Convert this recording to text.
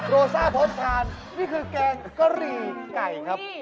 ซ่าทดทานนี่คือแกงกะหรี่ไก่ครับ